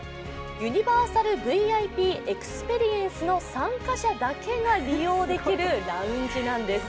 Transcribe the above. ユニバーサルＶＩＰエクスペリエンスの参加者だけが利用できるラウンジなんです。